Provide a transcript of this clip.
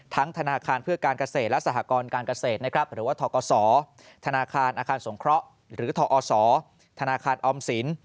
ธนาคารเพื่อการเกษตรและสหกรการเกษตรนะครับหรือว่าทกศธนาคารอาคารสงเคราะห์หรือทอศธนาคารออมสิน